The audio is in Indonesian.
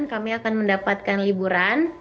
kami akan mendapatkan liburan